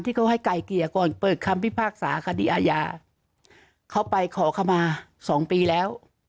ที่เขาให้ไก่เกลี่ยก่อนเปิดคำพิพากษาคดีอาญาเขาไปขอเข้ามาสองปีแล้ว